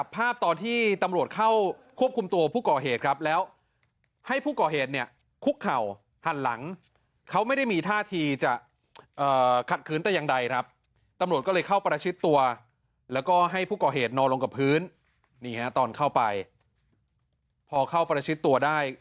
กล้องวงจรปิดจับภาพตอนที่ตำรวจเข้าควบคุมตัวผู้ก่อเหตุครับ